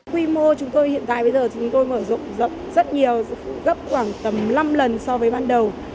quy mô chúng tôi hiện tại bây giờ chúng tôi mở rộng rất nhiều gấp khoảng tầm năm lần so với ban đầu